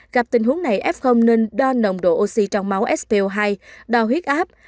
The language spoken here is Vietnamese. gặp tình huống này f nên đo nồng độ oxy trong máu spo hai đo huyết áp